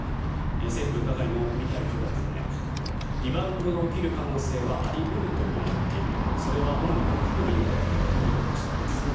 政府分科会の尾身会長はリバウンドが起きる可能性はあり得ると思っているそれは主に４つの理由があると話しています。